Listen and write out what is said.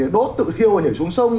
đốt tự thiêu và nhảy xuống sông